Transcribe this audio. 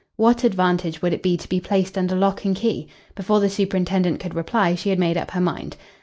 What advantage would it be to be placed under lock and key? Before the superintendent could reply she had made up her mind.